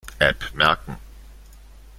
App merken.